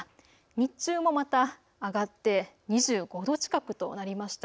日中もまた上がって２５度近くとなりました。